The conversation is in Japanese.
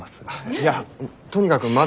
いやとにかくまだ。